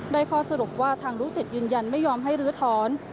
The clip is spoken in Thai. ข้อสรุปว่าทางลูกศิษย์ยืนยันไม่ยอมให้ลื้อถอน